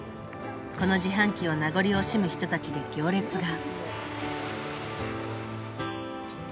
この自販機を名残惜しむ人たちで行列が。